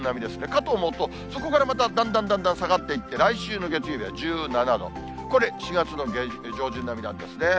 かと思うと、そこからまただんだんだんだん下がっていって、来週の月曜日は１７度、これ、４月の上旬並みなんですね。